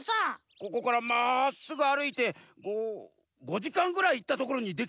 ここからまっすぐあるいてご５じかんぐらいいったところにできたざんす。